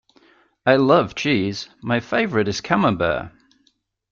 I love cheese; my favourite is camembert.